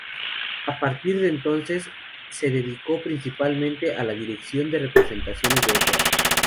A partir de entonces se dedicó principalmente a la dirección de representaciones de ópera.